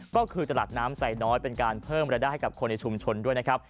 ก็คือตลาดน้ำไส่น้อยการเพิ่มเร็วได้ให้โชมชนด้วยนะครับ